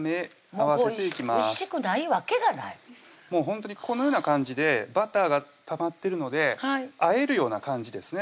もうおいしくないわけがないもうほんとにこのような感じでバターがたまってるのであえるような感じですね